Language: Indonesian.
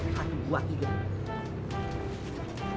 satu dua tiga